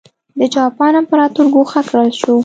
د جاپان امپراتور ګوښه کړل شو.